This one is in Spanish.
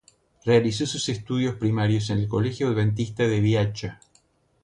Realizó sus estudios primarios en el Colegio Adventista de Viacha.